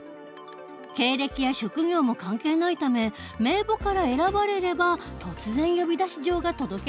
経歴や職業も関係ないため名簿から選ばれれば突然呼出状が届けられる事に。